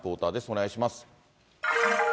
お願いします。